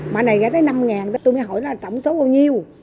mà này gh tới năm tôi mới hỏi là tổng số bao nhiêu